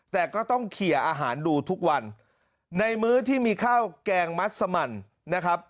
แต่ก็ต้องเขียอาหารดูทุกวันในมื้อที่มีข้าวแกงมัสสมันนะครับ